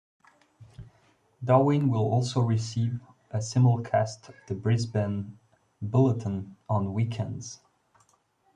Darwin will also receive a simulcast of the Brisbane bulletin on weekends.